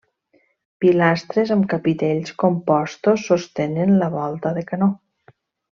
Pilastres amb capitells compostos sostenen la volta de canó.